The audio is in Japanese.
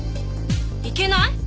いけない？